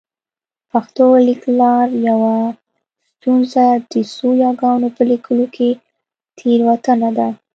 پښتو لیکلار یوه ستونزه د څو یاګانو په لیکلو کې تېروتنه ده